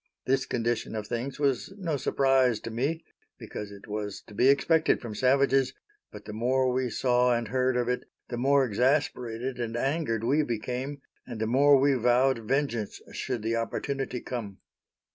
This condition of things was no surprise to me, because it was to be expected from savages; but the more we saw and heard of it, the more exasperated and angered we became, and the more we vowed vengeance should the opportunity come.